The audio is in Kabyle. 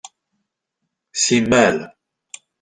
Simmal.